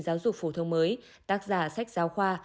giáo dục phổ thông mới tác giả sách giáo khoa